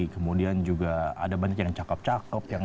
kemudian juga ada banyak yang cakep cakep